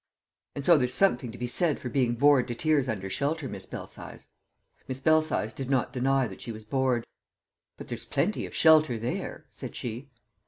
"And so there's something to be said for being bored to tears under shelter, Miss Belsize." Miss Belsize did not deny that she was bored. "But there's plenty of shelter there," said she.